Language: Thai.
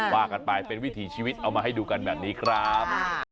ว่ากันไปเป็นวิถีชีวิตเอามาให้ดูกันแบบนี้ครับ